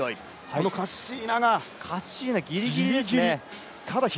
このカッシーナが、カッシーナギリギリでしたね。